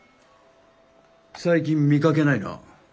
最近見かけないな。